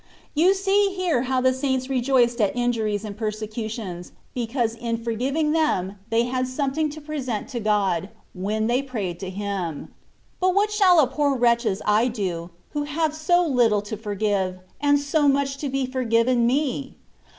You see here how the saints rejoiced at injuries and persecutions, because in forgiving them they had something to present to God, when they prayed to Him. But what shall such a poor wretch as I do, who have so little to forgive, and so much to be forgiven me